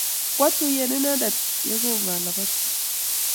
Kwatuyen inendet ye kingalaboti.